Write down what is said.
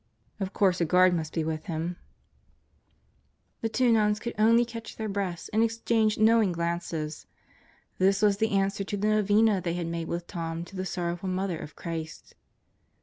7 Of course a guard must be with him," The two nuns could only catch their breaths and exchange knowing glances. This was the answer to the novena they had made with Tom to the Sorrowful Mother of Christ.